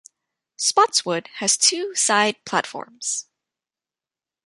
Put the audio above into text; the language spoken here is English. Spotswood has two side platforms.